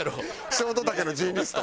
ショート丈のジーニスト？